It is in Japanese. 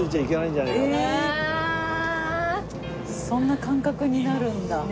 そんな感覚になるんだ。